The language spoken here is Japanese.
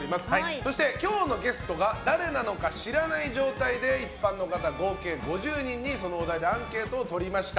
そして今日のゲストが誰なのか知らない状態で一般の方合計５０人にそのお題でアンケートをとりました。